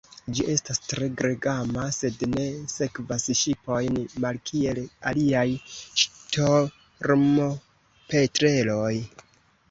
Ĝi estas tre gregema, sed ne sekvas ŝipojn, malkiel aliaj ŝtormopetreloj.